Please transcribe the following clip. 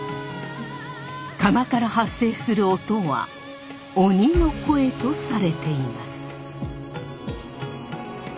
釜から発生する音は鬼の声とされています。